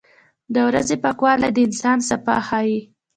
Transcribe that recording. • د ورځې پاکوالی د انسان صفا ښيي.